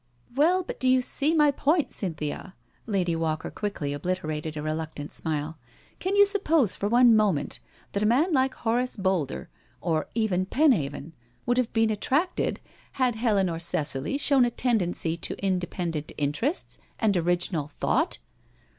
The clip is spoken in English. •• Well, but do you see my point, Cynthia "—Lady Walker quickly obliterated a reluctant smile —" Can you suppose for one moment that a man like Horace Boulder, or even Penhaven, would have been attracted, had Helen or Cicely shown a tendency to independent interests and original thought?"